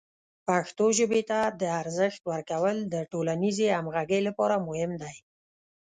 پښتو ژبې ته د ارزښت ورکول د ټولنیزې همغږۍ لپاره مهم دی.